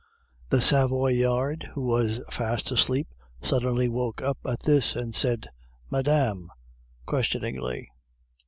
The Savoyard, who was fast asleep, suddenly woke up at this, and said, "Madame," questioningly.